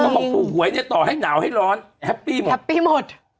ถูกหวยต่อให้หนาวให้ร้อนแฮปปี้หมด